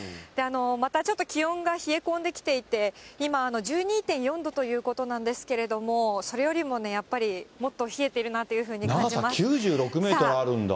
またちょっと気温が冷え込んできていて、今、１２．４度ということなんですけれども、それよりもやっぱり、もっと冷えてるなというふうに感じます。